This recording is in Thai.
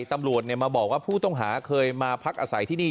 ตำรวจมาบอกว่าผู้ต้องหาเคยมาพักอาศัยที่นี่